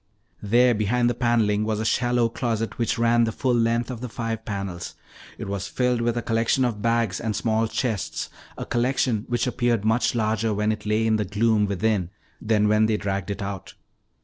There behind the paneling was a shallow closet which ran the full length of the five panels. It was filled with a collection of bags and small chests, a collection which appeared much larger when it lay in the gloom within than when they dragged it out.